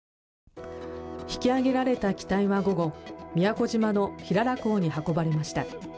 引き揚げられた機体は午後、宮古島の平良港に運ばれました。